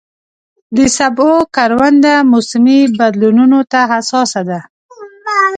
د سبو کرونده موسمي بدلونونو ته حساسه ده.